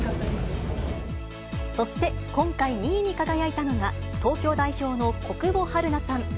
そして、今回２位に輝いたのが、東京代表の小久保春菜さん。